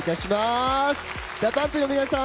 ＤＡＰＵＭＰの皆さん